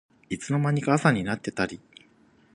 いつの間にか朝になってたり